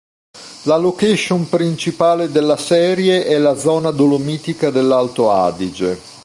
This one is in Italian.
La location principale della serie è la zona dolomitica dell'Alto Adige.